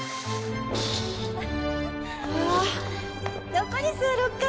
どこに座ろっか！